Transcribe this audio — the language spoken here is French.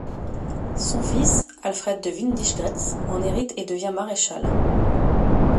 Son fils Alfred de Windischgrätz en hérite et devient maréchal.